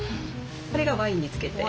これがワインに漬けて。